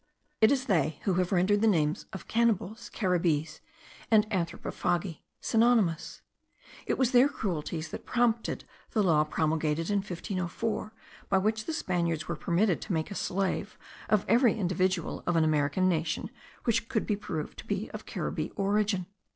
It is they who have rendered the names of cannibals, Caribbees, and anthropophagi, synonymous; it was their cruelties that prompted the law promulgated in 1504, by which the Spaniards were permitted to make a slave of every individual of an American nation which could be proved to be of Caribbee origin.